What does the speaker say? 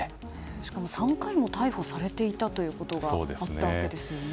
しかも３回も逮捕されていたということがあったわけですよね。